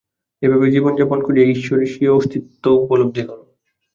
এইভাবে জীবন যাপন করিয়া ঈশ্বরে স্বীয় অস্তিত্ব উপলব্ধি কর।